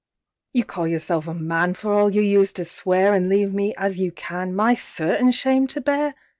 YOU call yourself a man, For all you used to swear, An' leave me, as you can, My certain shame to bear?